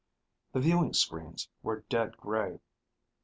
The viewing screens were dead gray.